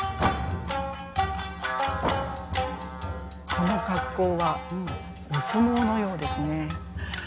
この格好はお相撲のようですね。